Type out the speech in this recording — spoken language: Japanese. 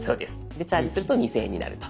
でチャージすると２，０００円になると。